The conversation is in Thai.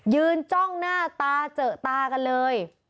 จ้องหน้าตาเจอตากันเลย